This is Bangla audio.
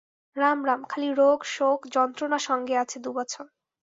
রাম রাম! খালি রোগ শোক যন্ত্রণা সঙ্গে আছে দু-বছর।